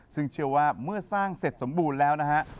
ซึ่งเชื่อว่าเมื่อสร้างเสร็จสมบูรณ์แล้วนะฮะ